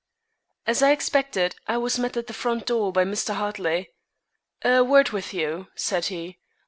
As I expected, I was met at the front door by Mr. Hartley. "A word with you," said he.